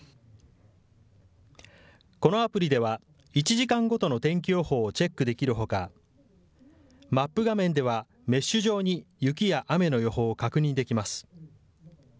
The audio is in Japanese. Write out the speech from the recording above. このアプリでは、１時間ごとの天気予報をチェックできるほか、マップ画面ではメッシュ状に雪や雨の予報を確認できます。